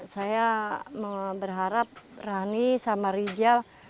saya berharap rani sama rijal